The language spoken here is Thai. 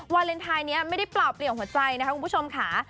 วาเลนไทยนี้ไม่ได้เปล่าเปลี่ยวหัวใจนะคะคุณผู้ชมค่ะ